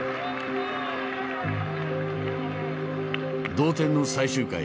同点の最終回。